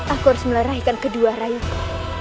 aku harus melarahkan kedua rayu ku